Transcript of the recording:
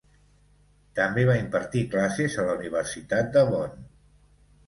També va impartir classes a la Universitat de Bonn.